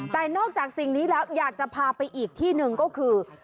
แต่นอกจากสิ่งนี้แล้วอยากจะพาไปอีกที่หนึ่งก็คือ